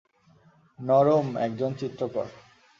নরম, একজন চিত্রকর।